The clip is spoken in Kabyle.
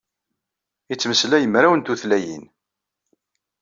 Ittmeslay mraw n tutlayin.